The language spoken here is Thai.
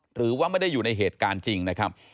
หรือว่าไม่ได้อยู่ในเหตุการณ์จริงนะครับ